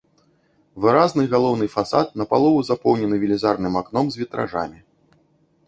Выразны галоўны фасад напалову запоўнены велізарным акном з вітражамі.